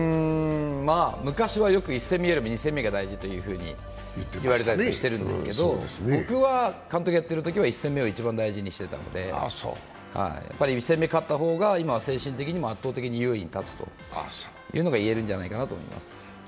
昔はよく１戦目よりも２戦目が大事と言われたりしてるんですけど、僕は監督をやっているときは１戦目を大事にしてたんで１戦目に勝った方が今は、圧倒的に有利に立つといえるんじゃないかなと思います。